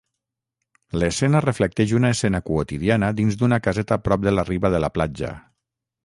L'escena reflecteix una escena quotidiana dins d'una caseta prop de la riba de la platja.